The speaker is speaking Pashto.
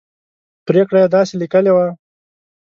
پرېکړه یې داسې لیکلې وه.